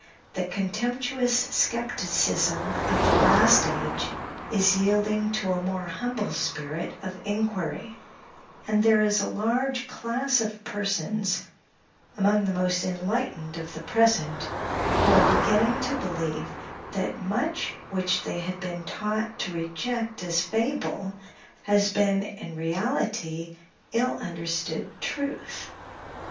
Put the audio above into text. The contemptuous skepticism of the last age is yielding to a more humble spirit of inquiry; and there is a large class of persons among the most enlightened of the present, who are beginning to believe that much which they had been taught to reject as fable, has been, in reality, ill understood truth.